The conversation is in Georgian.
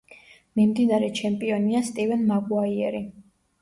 მიმდინარე ჩემპიონია სტივენ მაგუაიერი.